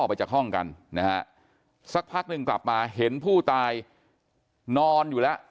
ไปจากห้องกันนะฮะสักพักหนึ่งกลับมาเห็นผู้ตายนอนอยู่แล้ว